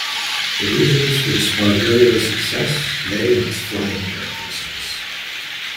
The reasons for the "Sparviero"s success lay in its flying characteristics.